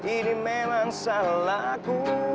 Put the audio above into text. ini memang salahku